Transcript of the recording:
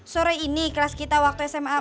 sore ini kelas kita waktu sma